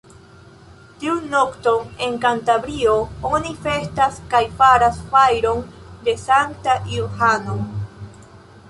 Tiun nokton, en Kantabrio oni festas kaj faras fajron de Sankta Johano.